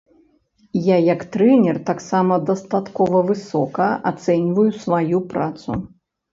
Я як трэнер таксама дастаткова высока ацэньваю сваю працу.